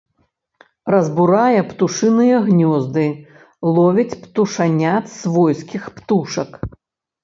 Разбурае птушыныя гнёзды, ловіць птушанят свойскіх птушак.